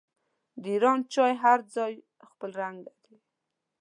د ایران چای هر ځای خپل رنګ لري.